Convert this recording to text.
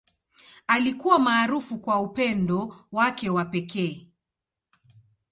Alikuwa maarufu kwa upendo wake wa pekee.